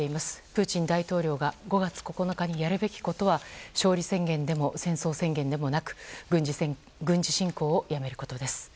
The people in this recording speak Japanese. プーチン大統領が５月９日にやるべきことは勝利宣言でも戦争宣言でもなく軍事侵攻をやめることです。